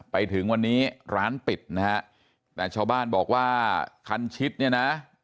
ไปถึงวันนี้ร้านปิดนะฮะแต่ชาวบ้านบอกว่าคันชิดเนี่ยนะ